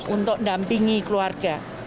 untuk mendampingi keluarga